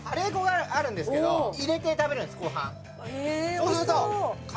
そうすると。